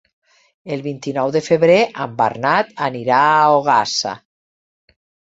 El vint-i-nou de febrer en Bernat anirà a Ogassa.